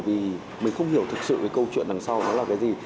vì mình không hiểu thực sự cái câu chuyện đằng sau đó là cái gì